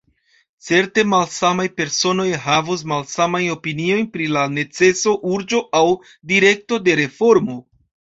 Certe malsamaj personoj havos malsamajn opiniojn pri la neceso, urĝo aŭ direkto de reformo.